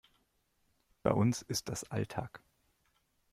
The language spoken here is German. Bei uns ist das Alltag.